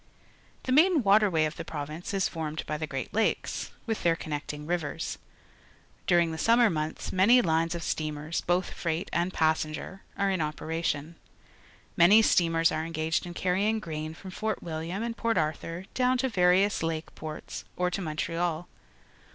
The m ain waterway of the province is formed by the Great Lakes, with their con necting TiversT^^During^he summer months many hues of steamers, both freight and passenger, are in operation. Many steamers are engaged in carrying grain from Fort William and Port Arthur down to various Lake ports or to Montreal.